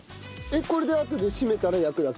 これであとで締めたら焼くだけ？